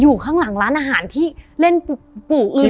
อยู่ข้างหลังร้านอาหารที่เล่นปู่อื่น